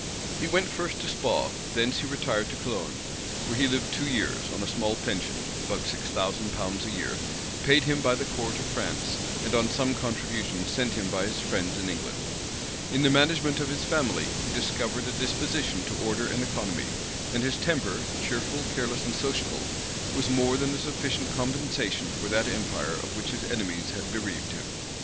He went first to Spaw, thence he retired to Cologne; where he lived two years, on a small pension, about six thousand pounds a year, paid him by the court of France, and on some contributions sent him by his friends in England. In the management of his family he discovered a disposition to order and economy; and his temper, cheerful, careless, and sociable, was more than a sufficient compensation for that empire of which his enemies had bereaved him.